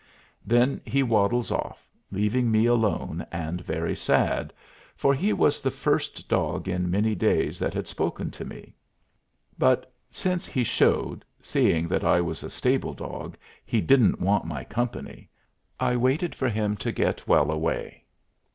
Then he waddles off, leaving me alone and very sad, for he was the first dog in many days that had spoke to me. But since he showed, seeing that I was a stable dog, he didn't want my company, I waited for him to get well away.